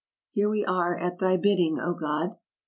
" Here we are at thy bidding, O God!"